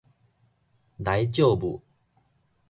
大丈夫